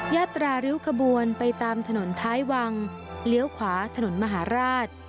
ยาตราริ้วขบวนไปตามถนนท้ายวังเลี้ยวขวาถนนมหาราช